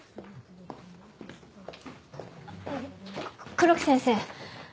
黒木先生。